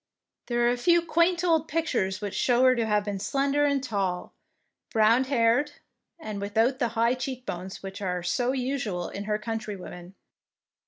There are a few quaint old pictures which show her to have been slender and tall, brown haired, and without the high cheek bones which are so usual in her countrywomen.